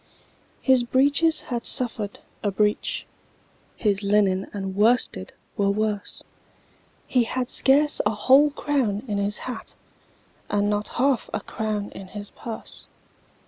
His breeches had suffered a breach, His linen and worsted were worse; He had scarce a whole crown in his hat, And not half a crown in his purse.